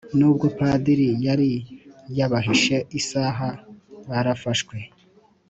nubwo padiri yari yabahishe isaha barafashwe